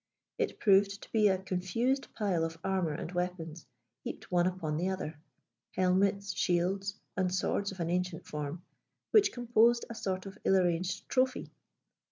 It proved to be a confused pile of armour and weapons, heaped one upon the other: helmets, shields, and swords of an ancient form, which composed a sort of ill arranged trophy.